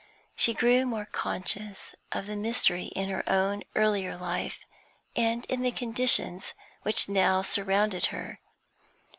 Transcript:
She grew more conscious of the mystery in her own earlier life, and in the conditions which now surrounded her.